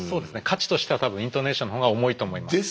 価値としては多分イントネーションの方が重いと思います。